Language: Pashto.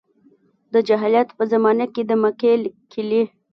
د جاهلیت په زمانه کې د مکې کیلي.